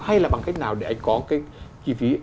hay là bằng cách nào để anh có cái chi phí